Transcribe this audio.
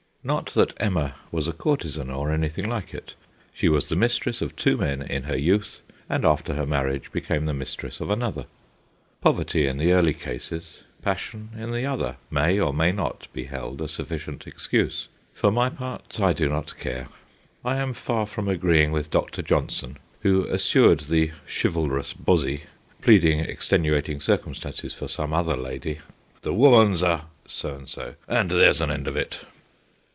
Not that Emma was a courtesan, or anything like it. She was the mistress of two men in her youth, and after her marriage became the mistress of another. Poverty in the early cases, passion in the other, may or may not be held a sufficient excuse. For my part, I do not care. I am far from agreeing with Dr. Johnson, who assured the chivalrous Bozzy, pleading extenuating circumstances for some other lady, 'the woman's a' so and so 'and there's an end of it.'